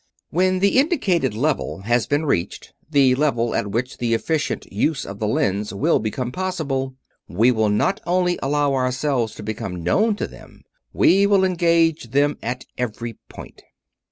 When the indicated level has been reached the level at which the efficient use of the Lens will become possible we will not only allow ourselves to become known to them; we will engage them at every point."